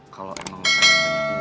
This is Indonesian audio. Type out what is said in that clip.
kalau emang lo banyak uang